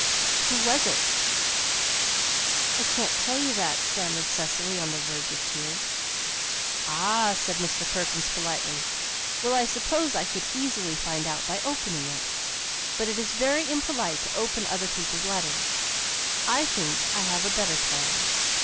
"Who was it?" "I can't tell you that," stammered Cecily, on the verge of tears. "Ah!" said Mr. Perkins politely. "Well, I suppose I could easily find out by opening it. But it is very impolite to open other people's letters. I think I have a better plan.